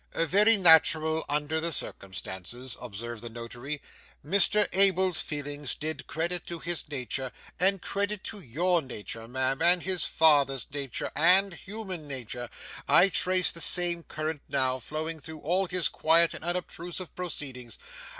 'Very natural under the circumstances,' observed the Notary. 'Mr Abel's feelings did credit to his nature, and credit to your nature, ma'am, and his father's nature, and human nature. I trace the same current now, flowing through all his quiet and unobtrusive proceedings.